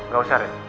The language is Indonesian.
gak usah ren